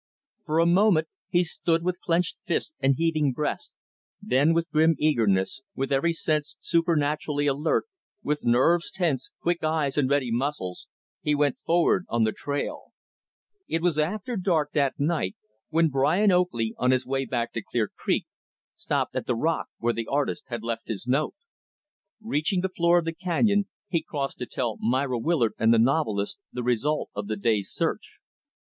For a moment he stood with clenched fists and heaving breast; then, with grim eagerness, with every sense supernaturally alert, with nerves tense, quick eyes and ready muscles, he went forward on the trail. It was after dark, that night, when Brian Oakley, on his way back to Clear Creek, stopped at the rock where the artist had left his note. Reaching the floor of the canyon, he crossed to tell Myra Willard and the novelist the result of the day's search.